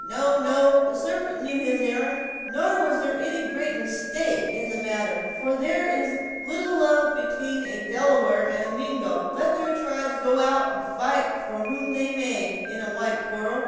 "No, no, the sarpent knew his errand; nor was there any great mistake in the matter, for there is but little love atween a Delaware and a Mingo, let their tribes go out to fight for whom they may, in a white quarrel.